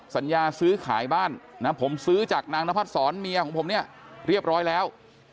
สัญญาซื้อขายบ้านนะผมซื้อจากนางนพัดศรเมียของผมเนี่ยเรียบร้อยแล้ว